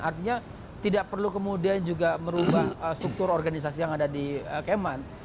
artinya tidak perlu kemudian juga merubah struktur organisasi yang ada di keman